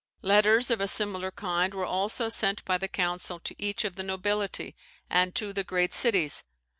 ] Letters of a similar kind were also sent by the council to each of the nobility, and to the great cities.